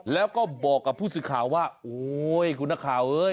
แล้วก็บอกกับผู้สื่อข่าวว่าโอ๊ยคุณนักข่าวเอ้ย